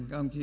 các đồng chí